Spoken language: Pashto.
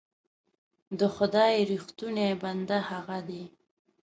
د خدای رښتونی بنده هغه دی.